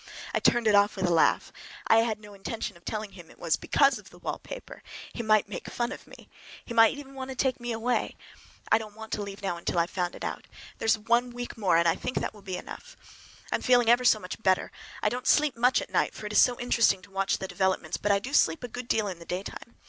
I turned it off with a laugh. I had no intention of telling him it was because of the wallpaper—he would make fun of me. He might even want to take me away. I don't want to leave now until I have found it out. There is a week more, and I think that will be enough. I'm feeling ever so much better! I don't sleep much at night, for it is so interesting to watch developments; but I sleep a good deal in the daytime.